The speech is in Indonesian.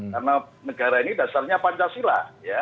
karena negara ini dasarnya pancasila